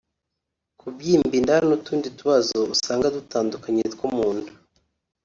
kubyimba inda n`utundi tubazo usanga tudakanganye two mu nda